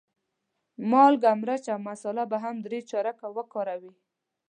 مالګه، مرچ او مساله به هم درې چارکه وکاروې.